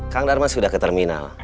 kang darmas sudah ke terminal